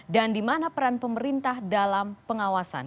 dan di mana peran pemerintah dalam pengawasan